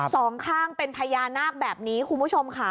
สองข้างเป็นพญานาคแบบนี้คุณผู้ชมค่ะ